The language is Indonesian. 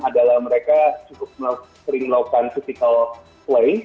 adalah mereka cukup sering melakukan physical play